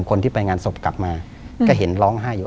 คนที่ไปงานศพกลับมาก็เห็นร้องไห้อยู่